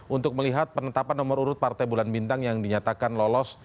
untuk melihat penetapan nomor urut partai bulan bintang yang dinyatakan lolos